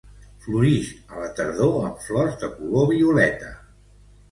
Florix a la tardor amb flors de color violeta.